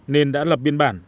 nên đã lập biên bản